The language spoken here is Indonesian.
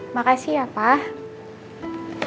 makasih ya pak